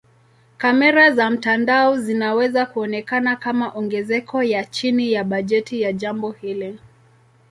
Kamera za mtandao zinaweza kuonekana kama ongezeko ya chini ya bajeti ya jambo hili.